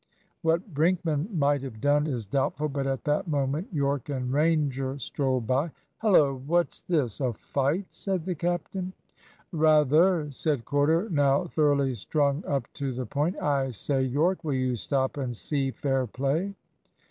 What Brinkman might have done is doubtful, but at that moment Yorke and Ranger strolled by. "Hullo! What's this? A fight?" said the captain. "Rather," said Corder, now thoroughly strung up to the point. "I say, Yorke, will you stop and see fair play?"